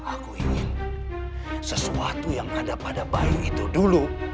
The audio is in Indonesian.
aku ingin sesuatu yang ada pada bayi itu dulu